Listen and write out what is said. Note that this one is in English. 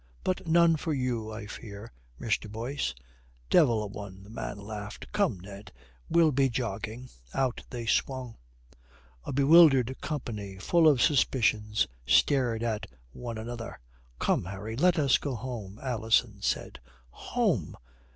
But none for you, I fear, Mr. Boyce." "Devil a one," the man laughed. "Come, Ned, we'll be jogging," Out they swung. A bewildered company, full of suspicions, stared at one another. "Come, Harry, let us go home," Alison said. "Home!"